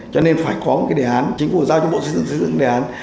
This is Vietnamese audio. cho nên phải có một cái đề án chính phủ giao cho bộ xây dựng đề án